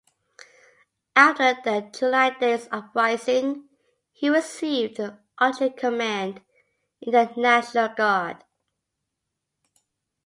After the July Days uprising, he received an artillery command in the National Guard.